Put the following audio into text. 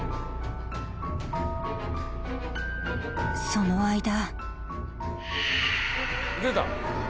その間。